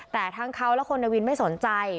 แต่ทั้งเขาและคนในวินไม่สนใจ